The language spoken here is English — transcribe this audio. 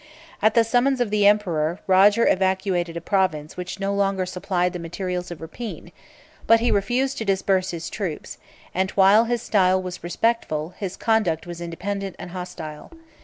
49 At the summons of the emperor, Roger evacuated a province which no longer supplied the materials of rapine; 496 but he refused to disperse his troops; and while his style was respectful, his conduct was independent and hostile.